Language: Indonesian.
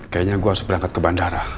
kayaknya gue harus berangkat ke bandara